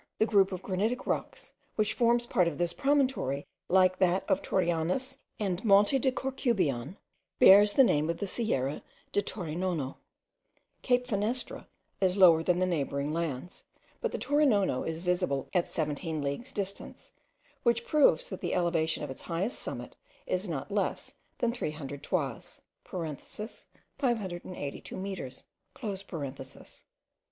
The group of granitic rocks, which forms part of this promontory, like that of Torianes and Monte de Corcubion, bears the name of the Sierra de Torinona. Cape Finisterre is lower than the neighbouring lands, but the Torinona is visible at seventeen leagues' distance, which proves that the elevation of its highest summit is not less than 300 toises (582 metres).